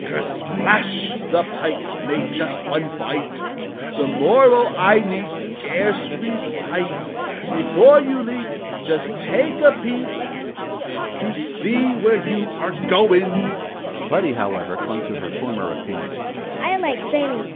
Kersplash! The Pike made just one bite.... The moral I need scarce recite: Before you leap Just take a peep To see where you are going." Buddie, however, clung to her former opinion.